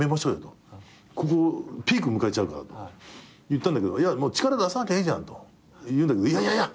ピーク迎えちゃうからと言ったんだけど「力出さなきゃいいじゃん」と言うんだけどいやいや。